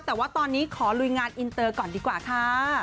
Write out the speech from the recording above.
แต่ว่าตอนนี้ขอลุยงานอินเตอร์ก่อนดีกว่าค่ะ